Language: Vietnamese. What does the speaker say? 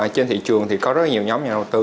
trên thị trường thì có rất nhiều nhóm nhà đầu tư